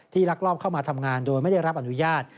ลักลอบเข้ามาทำงานโดยไม่ได้รับอนุญาต